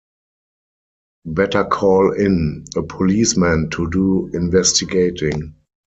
Better call in a policeman to do investigating.